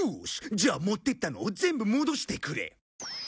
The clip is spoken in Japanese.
じゃあ持ってったのを全部戻してくれ。